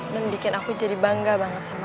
dan bikin aku jadi bangga banget sama kamu boy